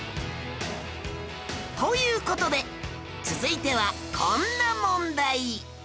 という事で続いてはこんな問題